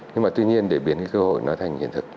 nhưng mà tuy nhiên để biến cái cơ hội nó thành hiện thực